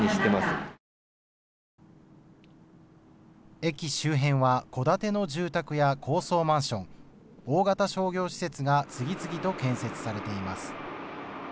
駅周辺は戸建ての住宅や高層マンション、大型商業施設が次々と建設されています。